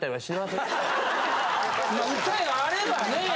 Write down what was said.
訴えがあればね。